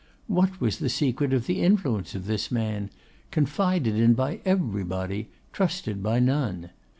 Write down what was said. What was the secret of the influence of this man, confided in by everybody, trusted by none?